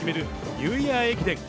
ニューイヤー駅伝。